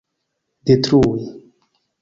detrui